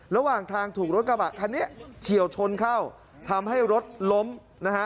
ระหว่างทางถูกรถกระบะคันนี้เฉียวชนเข้าทำให้รถล้มนะฮะ